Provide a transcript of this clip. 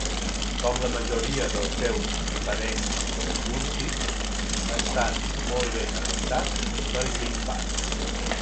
Com la majoria dels seus parents úrsids, estan molt ben adaptats per grimpar.